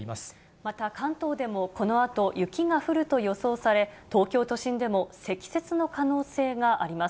また関東でもこのあと、雪が降ると予想され、東京都心でも積雪の可能性があります。